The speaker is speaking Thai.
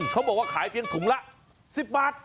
เขาบอกว่าขายเพียงถุงละ๑๐บาท